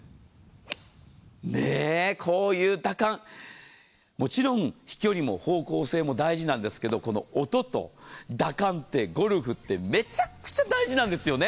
ねー、こういう打感、もちろん飛距離も方向性も大事なんですけど、音と打感ってゴルフはめちゃくちゃ大事なんですよね。